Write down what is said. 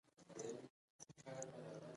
په کندهار پنجوايي کې د ولس مدافعان لوڅې پښې ځغلي.